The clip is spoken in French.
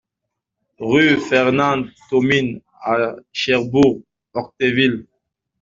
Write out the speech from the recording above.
Rue Fernand Thomine à Cherbourg-Octeville